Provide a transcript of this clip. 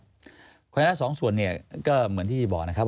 ความรู้สึกล้วนสองส่วนก็เหมือนที่บอกนะครับ